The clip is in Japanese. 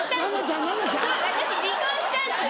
私離婚したんです